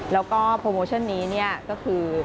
แล้วก็โปรโมชั่นนี้เนี่ยก็คือ